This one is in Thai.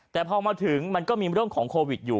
แต่พอมาถึงมันทำอยู่บิดด้มของโควิดอยู่